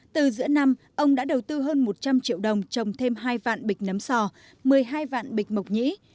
từ giữa năm ông đã đầu tư hơn một trăm linh triệu đồng trồng thêm hai vạn bịch nấm sò một mươi hai vạn bịch mộc nhĩ